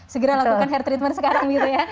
segera lakukan hair treatment sekarang gitu ya